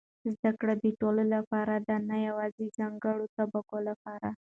زده کړه د ټولو لپاره ده، نه یوازې د ځانګړو طبقو لپاره.